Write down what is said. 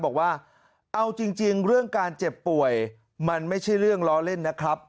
บอกว่าเอาจริงเรื่องการเจ็บป่วยมันไม่ใช่เรื่องล้อเล่นนะครับ